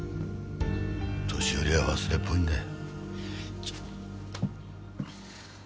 年寄りは忘れっぽいんだよ。